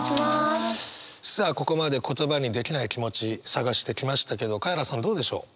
さあここまで言葉にできない気持ち探してきましたけどカエラさんどうでしょう？